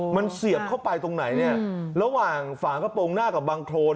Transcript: มันเสียบเข้าไปตรงไหนเนี่ยระหว่างฝากระโปรงหน้ากับบังโครน